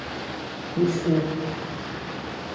Ichu